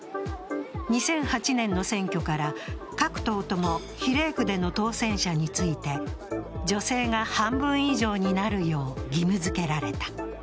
２００８年の選挙から各党とも比例区での当選者について女性が半分以上になるよう義務づけられた。